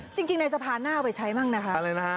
จริงในสะภานหน้าไปใช้บ้างนะคะ